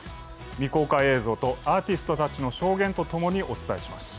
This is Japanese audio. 未公開映像とアーティストたちの証言とともにお伝えします。